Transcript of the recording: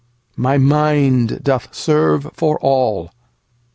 my mind doth serve for all.